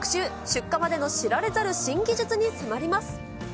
出荷までの知られざる新技術に迫ります。